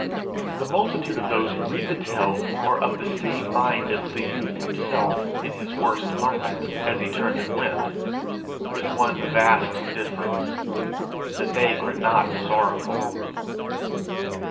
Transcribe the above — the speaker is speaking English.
The multitude of those who read the tale are of the same mind as the youth himself in his worst moment, as he turned and went with one vast difference, that they are not sorrowful.